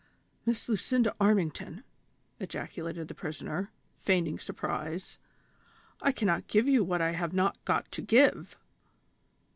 " Miss Lucinda Armington !" ejaculated the prisoner, feigning surprise. " I cannot give you what I have not got to give."